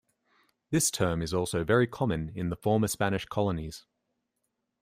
This term is also very common in the former Spanish Colonies.